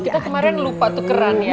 kita kemarin lupa tukeran ya